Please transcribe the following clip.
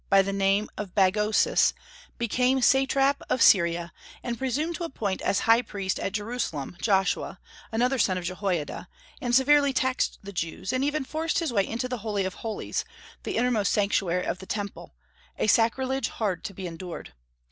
by the name of Bagoses, became Satrap of Syria, and presumed to appoint as the high priest at Jerusalem Joshua, another son of Jehoiada, and severely taxed the Jews, and even forced his way into the Holy of Holies, the innermost sanctuary of the Temple, a sacrilege hard to be endured.